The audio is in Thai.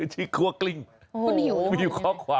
หิวข้อความ